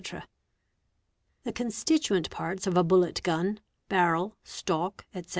Z The constituent parts of a bullet gun—barrel, stock, etc.